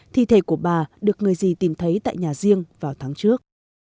thi thể của bà được người gì tìm thấy tại nhà riêng vào tháng trước